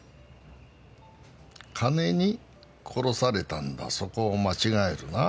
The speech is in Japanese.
金に殺されたんだそこを間違えるな。